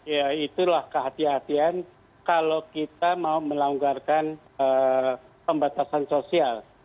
ya itulah kehatian kehatian kalau kita mau melonggarkan pembatasan sosial